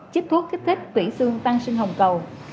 chích thuốc kích thích tủy xương tăng sinh hồng cầu